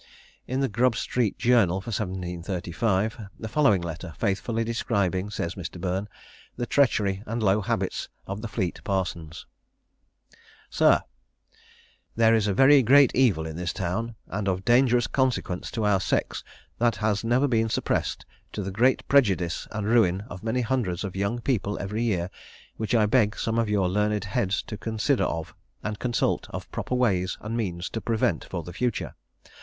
In the Grub Street Journal for 1735, is the following letter, faithfully describing, says Mr. Burn, the treachery and low habits of the Fleet parsons: "SIR, There is a very great evil in this town, and of dangerous consequence to our sex, that has never been suppressed, to the great prejudice and ruin of many hundreds of young people every year, which I beg some of your learned heads to consider of, and consult of proper ways and means to prevent for the future.